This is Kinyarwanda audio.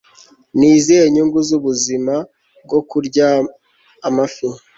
ni izihe nyungu zubuzima bwo kurya amafi